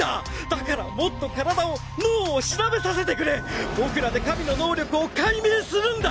だからもっと体を脳を調べさせてく僕らで神の能力を解明するんだ。